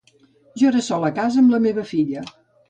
Jo era sola a casa, amb la meva filla.